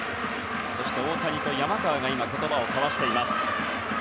大谷と山川が言葉を交わしています。